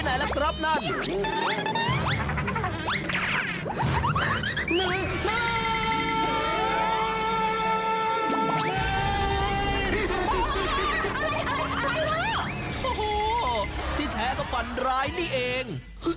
โอ้โหที่แท้ก็ฝันร้ายนี่เอง